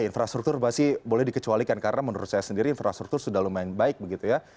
infrastruktur pasti boleh dikecualikan karena menurut saya sendiri infrastruktur sudah lumayan baik begitu ya